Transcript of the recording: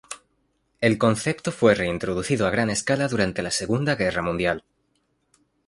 El concepto fue reintroducido a gran escala durante la Segunda Guerra Mundial.